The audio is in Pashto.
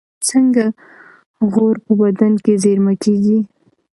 څنګه غوړ په بدن کې زېرمه کېږي؟